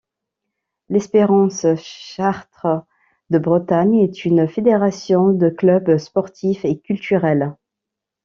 L'Espérance Chartres-de-Bretagne est une fédération de clubs sportifs et culturels.